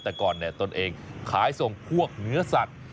แต่ก่อนตนเองขายส่งพวกเนื้อสัตว์